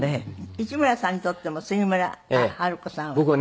市村さんにとっても杉村春子さんは。